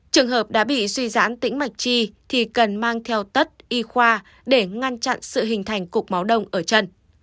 trường hợp đã bị suy giãn tĩnh mạch chi thì cần mang theo tất y khoa để ngăn chặn sự hình thành cục máu đông ở chân